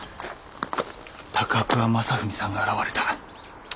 高桑雅文さんが現れた。